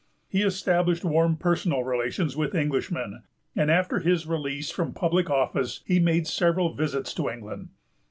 He established warm personal relations with Englishmen, and, after his release from public office, he made several visits to England.